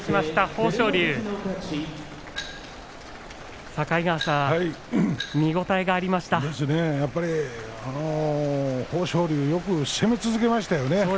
豊昇龍、よく攻め続けましたよね。